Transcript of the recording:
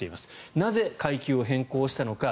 なぜ、階級を変更したのか。